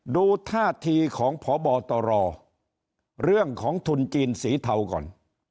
ดูท่าทีของพบตรเรื่องของทุนจีนสีเทาก่อน